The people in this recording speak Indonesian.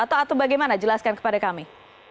atau bagaimana jelaskan kepada kami